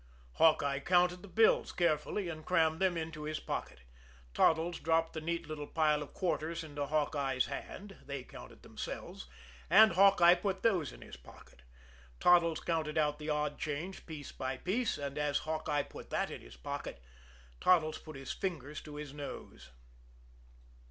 Hawkeye counted the bills carefully, and crammed them into his pocket. Toddles dropped the neat little pile of quarters into Hawkeye's hand they counted themselves and Hawkeye put those in his pocket. Toddles counted out the odd change piece by piece, and as Hawkeye put that in his pocket Toddles put his fingers to his nose.